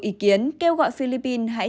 ý kiến kêu gọi philippines hãy